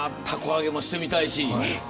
たこ揚げもしてみたいし。